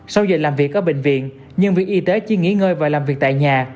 sau giờ làm việc ở bệnh viện nhân viên y tế chỉ nghỉ ngơi và làm việc tại nhà